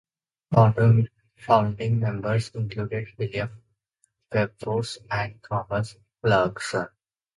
Founding members included William Wilberforce and Thomas Clarkson.